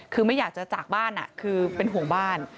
คือไม่อยากจะจากบ้านคือเป็นห่วงบ้าน